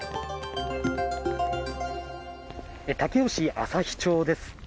武雄市朝日町です。